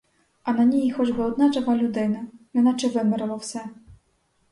А на ній хоч би одна жива людина, — неначе вимерло все.